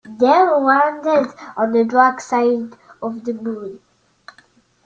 They landed on the dark side of the moon.